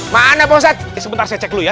mana poset sebentar saya cek dulu ya